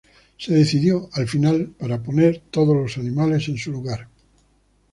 Se decidió, al final, para poner todos los animales en su lugar.